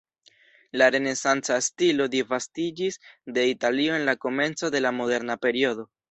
La renesanca stilo disvastiĝis de Italio en la komenco de la moderna periodo.